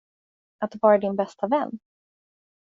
Att vara din bästa vän?